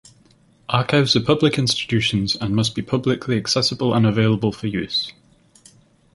Archives are public institutions and must be publicly accessible and available for use.